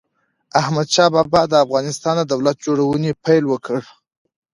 احمد شاه بابا د افغانستان د دولت جوړونې پيل وکړ.